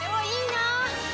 いいな。